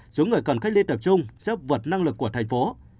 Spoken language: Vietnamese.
số người cần cách ly tập trung sẽ vượt năng lực của thành phố